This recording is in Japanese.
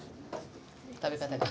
食べ方が。